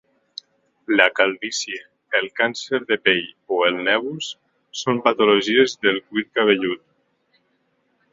La calvície, el càncer de pell o el nevus són patologies del cuir cabellut.